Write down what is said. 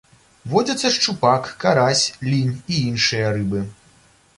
Водзяцца шчупак, карась, лінь і іншыя рыбы.